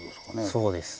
そうです。